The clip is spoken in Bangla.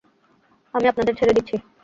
আমি আপনাদের ছেড়ে দিচ্ছি।